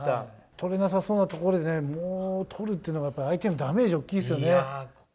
止めなさそうなところでもうとるっていうのが、相手、ダメージ大きいですよね。